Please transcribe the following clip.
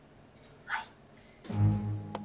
はい。